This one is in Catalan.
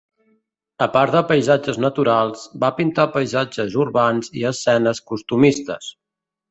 A part de paisatges naturals, va pintar paisatges urbans i escenes costumistes.